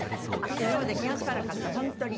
今まで気が付かなかった本当に。